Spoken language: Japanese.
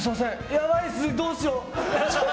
やばいっす、どうしよう！